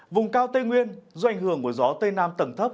vùng cao tây nguyên do ảnh hưởng của gió tây nam tầng thấp